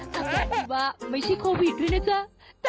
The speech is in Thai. สักอย่างที่ว่าไม่ใช่โควิดด้วยนะจ๊ะ